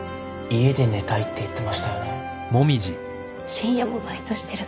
深夜もバイトしてるから。